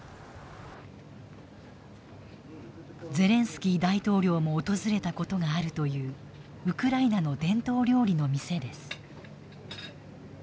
ゼレンスキー大統領も訪れたことがあるというウクライナの伝統料理の店です。